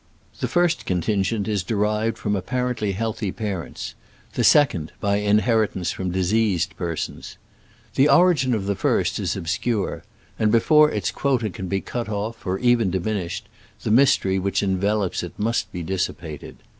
The first contingent is de rived from apparently healthy parents ; the second, by inheritance from diseasea persons. The origin of the first is ob scure ; and before its quota can be cut off", or even diminished, the mystery which envelops it must be dissipated.